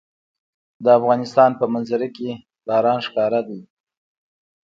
د افغانستان په منظره کې باران ښکاره ده.